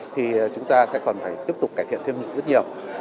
thì chúng ta sẽ còn phải tiếp tục cải thiện thêm rất nhiều